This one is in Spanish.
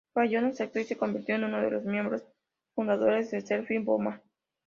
Fallon aceptó y se convirtió en uno de los miembros fundadores de Celtic Woman.